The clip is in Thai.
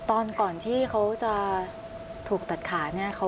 ตอนก่อนที่เขาจะถูกตัดขา